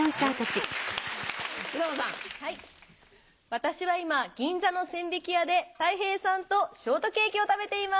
私は今銀座の千疋屋でたい平さんとショートケーキを食べています